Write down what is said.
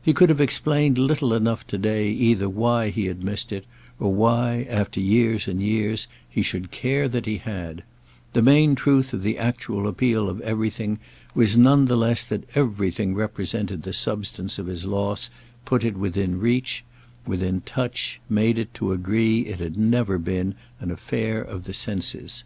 He could have explained little enough to day either why he had missed it or why, after years and years, he should care that he had; the main truth of the actual appeal of everything was none the less that everything represented the substance of his loss put it within reach, within touch, made it, to a degree it had never been, an affair of the senses.